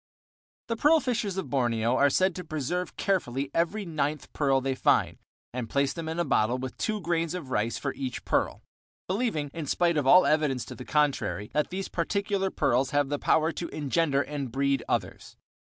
The pearl fishers of Borneo are said to preserve carefully every ninth pearl they find, and place them in a bottle with two grains of rice for each pearl, believing, in spite of all evidence to the contrary, that these particular pearls have the power to engender and breed others.